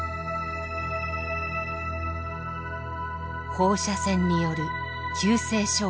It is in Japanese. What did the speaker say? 放射線による急性障害。